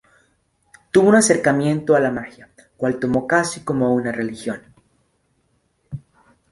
Tuvo un acercamiento a la magia, cual tomó casi como una religión.